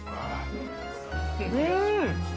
うん！